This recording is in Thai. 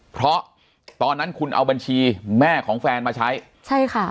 เพราะตอนนั้นคุณเอาบัญชีแม่ของแฟนมาใช้ใช่ค่ะ